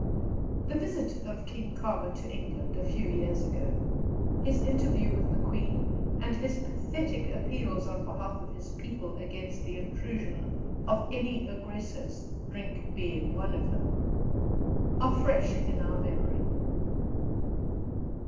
The visit of King Khama to England, a few years ago, his interview with the Queen, and his pathetic appeals on behalf of his people against the intrusion of any aggressors (drink being one of them), are fresh in our memory.